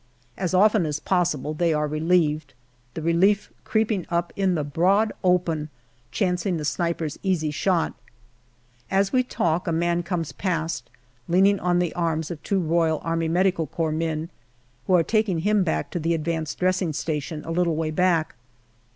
As often as possible they are relieved, the relief creeping up in the broad open, chancing the sniper's easy shot. As we talk, a man comes past, leaning on the arms of two R.A.M.C. men, who are taking him to the advanced dressing station, a little way back.